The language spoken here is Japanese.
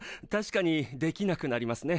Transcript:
確かにできなくなりますね。